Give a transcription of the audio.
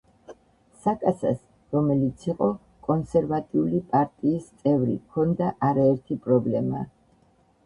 საკასას, რომელიც იყო კონსერვატული პარტიის წევრი, ჰქონდა არაერთი პრობლემა.